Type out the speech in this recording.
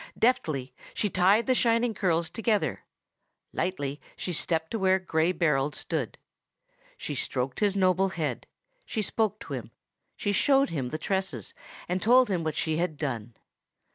Deftly she tied the shining curls together; lightly she stepped to where Gray Berold stood. She stroked his noble head; she spoke to him; she showed him the tresses, and told him what she had done.